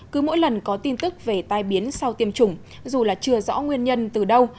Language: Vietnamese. cứ mỗi lần có tin tức về tai biến sau tiêm chủng dù là chưa rõ nguyên nhân từ đâu